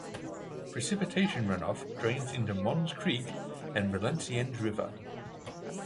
Precipitation runoff drains into Mons Creek and Valenciennes River.